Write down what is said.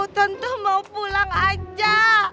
tante mau pulang aja